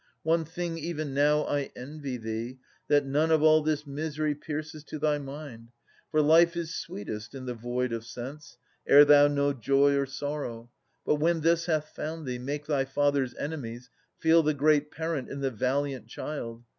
One thing even now I envy thee, that none Of all this misery pierces to thy mind. For life is sweetest in the void of sense, Ere thou know joy or sorrow. But when this Hath found thee, make thy father's enemies Feel the great parent in the valiant child.